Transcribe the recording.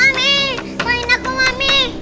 main aku mami